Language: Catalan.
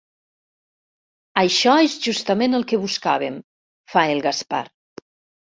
Això és justament el que buscàvem —fa el Gaspar.